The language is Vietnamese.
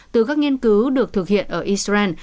từ các nghiên cứu được thực hiện ở israel